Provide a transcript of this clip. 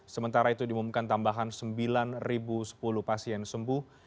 sementara itu diumumkan tambahan sembilan sepuluh pasien sembuh